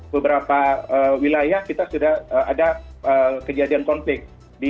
beberapa wilayah kita sudah ada kejadian konflik